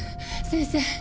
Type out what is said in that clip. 先生！